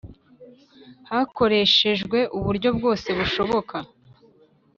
hakoreshejwe uburyo bwose bushoboka: